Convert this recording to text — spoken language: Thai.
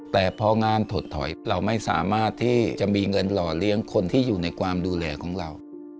แต่พองานถดถอยเราไม่สามารถที่จะมีเงินหล่อเลี้ยงคนที่อยู่ในความดูแลของเรา